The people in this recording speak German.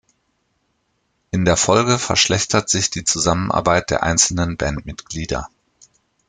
In der Folge verschlechtert sich die Zusammenarbeit der einzelnen Bandmitglieder.